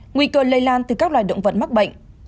nguy cơ lây lan từ các loài động vật mắc bệnh